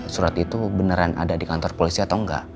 surat itu beneran ada di kantor polisi atau enggak